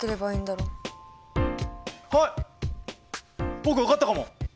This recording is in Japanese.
僕分かったかも。